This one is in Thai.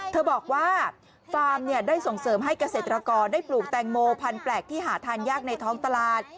เธอบอกว่าฟาร์มได้ส่งเสริมให้เกษตรกรได้ปลูกแตงโมพันธุแปลกที่หาทานยากในท้องตลาด